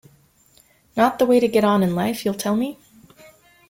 Not the way to get on in life, you'll tell me?